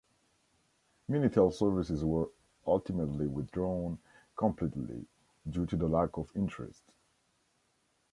Minitel services were ultimately withdrawn completely due to lack of interest.